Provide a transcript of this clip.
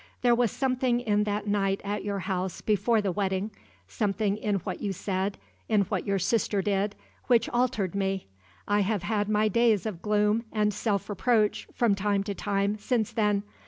There was something in that night at your house before the wedding something in what you said, in what your sister did which altered me. I have had my days of gloom and self reproach, from time to time, since then.